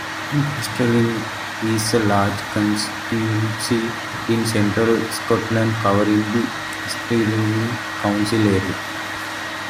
Stirling is a large constituency in Central Scotland covering the Stirling council area.